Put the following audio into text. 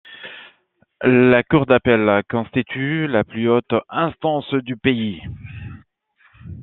La Cour d’appel constitue la plus haute instance du pays.